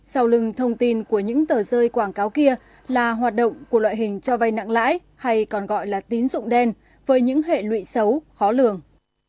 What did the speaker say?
sau lưng thông tin của những tờ rơi quảng cáo kia là hoạt động của loại hình cho vay nặng lãi hay còn gọi là tín dụng đen với những hệ lụy xấu khó lường